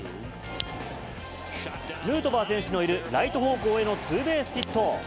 ヌートバー選手のいる、ライト方向へのツーベースヒット。